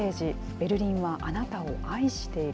ベルリンはあなたを愛している。